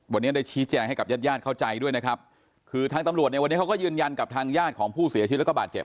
วันนี้ได้ชี้แจงให้กับญาติญาติเข้าใจด้วยนะครับคือทางตำรวจเนี่ยวันนี้เขาก็ยืนยันกับทางญาติของผู้เสียชีวิตแล้วก็บาดเจ็บ